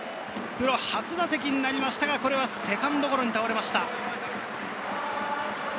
プロ初打席になりましたが、セカンドゴロに倒れました。